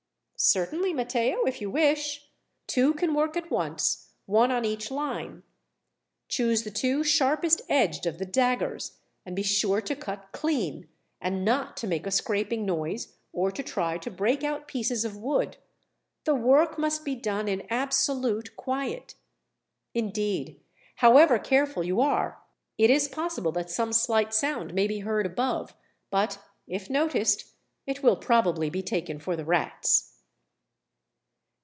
"Certainly, Matteo, if you wish. Two can work at once, one on each line. Choose the two sharpest edged of the daggers, and be sure to cut clean, and not to make a scraping noise or to try to break out pieces of wood. The work must be done in absolute quiet. Indeed, however careful you are, it is possible that some slight sound may be heard above, but, if noticed, it will probably be taken for the rats."